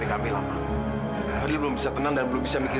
kita belum selesai bicara